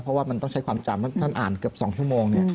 เพราะว่ามันต้องใช้ความจำท่านอ่านเกือบ๒ชั่วโมง